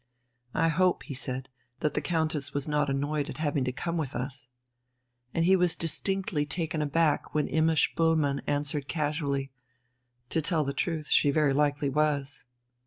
"I hope," he said, "that the Countess was not annoyed at having to come with us." And he was distinctly taken aback when Imma Spoelmann answered casually: "To tell the truth, she very likely was."